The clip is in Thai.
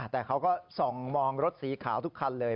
แต่เขาก็ส่องมองรถสีขาวทุกคันเลย